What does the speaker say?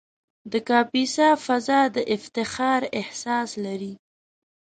د کاپیسا فضا د افتخار احساس لري.